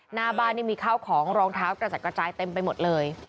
หน้าบ้านนี่มีข้าวของรองเท้ากระจัดกระจายเต็มไปหมดเลย